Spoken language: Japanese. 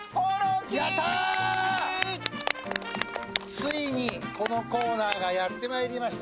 ついに、このコーナーがやってまいりました。